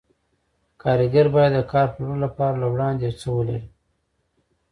کارګر باید د کار پلورلو لپاره له وړاندې یو څه ولري